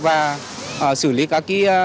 và xử lý các cái